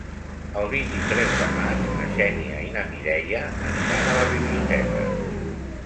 El vint-i-tres de maig na Xènia i na Mireia aniran a la biblioteca.